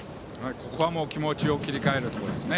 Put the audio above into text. ここは気持ちを切り替えることですね。